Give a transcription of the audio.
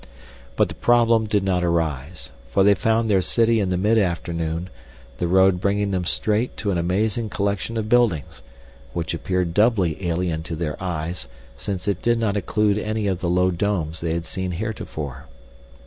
But the problem did not arise, for they found their city in the midafternoon, the road bringing them straight to an amazing collection of buildings, which appeared doubly alien to their eyes since it did not include any of the low domes they had seen heretofore.